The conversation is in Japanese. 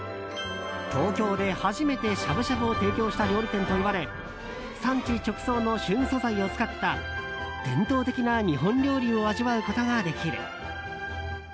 東京で初めて、しゃぶしゃぶを提供した料理店といわれ産地直送の旬素材を使った伝統的な日本料理を味わうことができる。